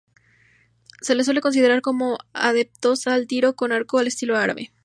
Se les suele considerar como adeptos al tiro con arco al estilo árabe.